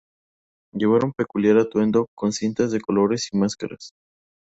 Llevan un peculiar atuendo, con cintas de colores y máscaras.